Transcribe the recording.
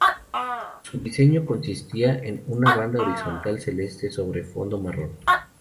Su diseño consistía en una banda horizontal celeste sobre fondo marrón.